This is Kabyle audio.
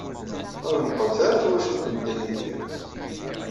Ur meqqret ara twacult n Dda Yidir.